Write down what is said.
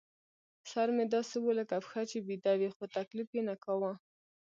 سر مې داسې و لکه پښه چې بېده وي، خو تکلیف یې نه کاوه.